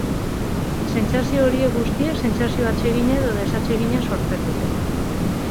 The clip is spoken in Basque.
Sentsazio horiek guztiek sentsazio atsegina edo desatsegina sortzen dute.